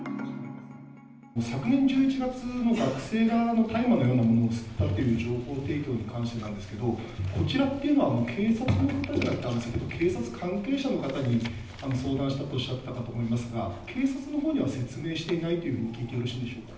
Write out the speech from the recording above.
昨年１１月の、学生側から大麻のようなものを吸ったという情報提供に関してなんですけど、こちらっていうのは警察の方じゃなくて、警察関係者の方に相談したとおっしゃったかと思いますが、警察のほうには説明していないということでよろしいんでしょうか。